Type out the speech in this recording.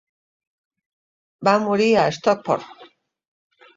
Va morir a Stockport.